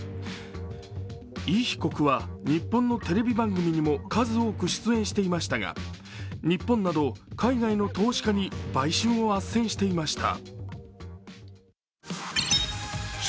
イ被告は、日本のテレビ番組にも数多く出演していましたが日本など海外の投資家に売春をあっせんしていました。